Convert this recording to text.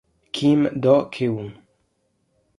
Kim Do-keun